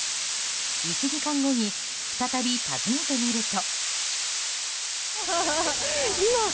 １時間後に再び訪ねてみると。